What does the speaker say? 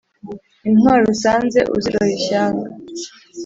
intwari usanze uziroha ishyanga